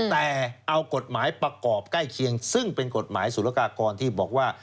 แต่เอากฎหมายประกอบใกล้เคียงซึ่งเป็นกฎหมายสุรกากรที่บอกว่า